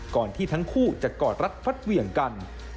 ก่อนที่ทั้งคู่จะกอดรัดฟัดเหวี่ยงกัน